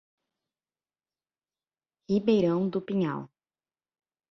Ribeirão do Pinhal